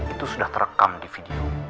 itu sudah terekam di video